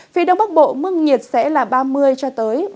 phía đông bắc bộ mức nhiệt sẽ là ba mươi ba mươi ba độ